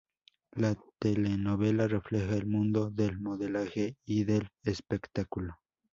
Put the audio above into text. La telenovela refleja el mundo del modelaje y del espectáculo.